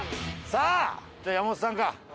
さあじゃあ山本さんか。